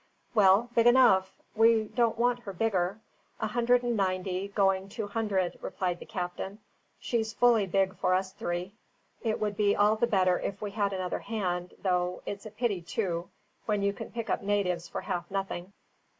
"Well, big enough. We don't want her bigger. A hundred and ninety, going two hundred," replied the captain. "She's fully big for us three; it would be all the better if we had another hand, though it's a pity too, when you can pick up natives for half nothing.